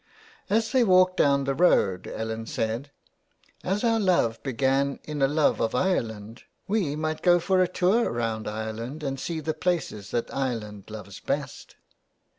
As they walked down the road Ellen said : "As our love began in a love of Ireland, we might go for a tour round Ireland and see the places that Ireland loves best.''